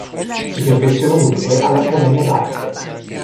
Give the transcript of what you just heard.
Si perfeziona dunque all'Accademia d'Arte.